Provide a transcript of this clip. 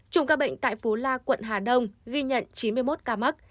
chùm ca bệnh tại phố la quận hà đông ghi nhận chín mươi một ca mắc